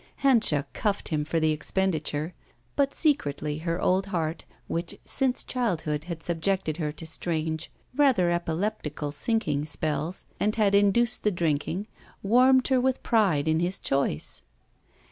Hanscha cuffed him for the expenditure, but secretly her old heart, which since childhood had subjected her to strange, rather epileptical, sinking spells, and had induced the drinking, warmed her with pride in his choice.